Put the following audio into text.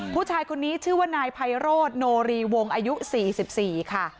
ผู้ชายคนนี้ชื่อว่านายไพโรธโนรีวงอายุ๔๔ค่ะ